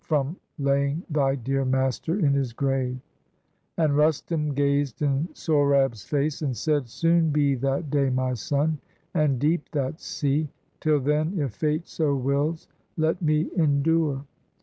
From laying thy dear master in his grave." 291 PERSIA And Rustum gaz'd in Sohrab's face, and said: —' Soon be that day, my son, and deep that sea ! Till then, if fate so wills, let me endure."